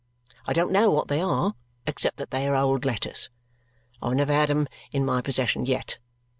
I don't know what they are, except that they are old letters: I have never had them in my possession yet.